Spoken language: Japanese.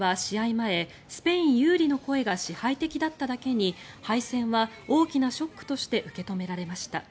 前スペイン有利の声が支配的だっただけに敗戦は大きなショックとして受け止められました。